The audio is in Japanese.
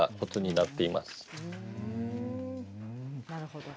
なるほど。